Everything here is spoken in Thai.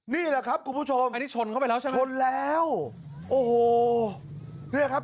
นี่แหละครับคุณผู้ชมอันนี้ชนเข้าไปแล้วใช่ไหมชนแล้วโอ้โหเนี่ยครับ